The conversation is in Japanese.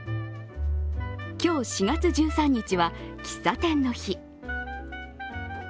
今日４月１３日は、喫茶店の日。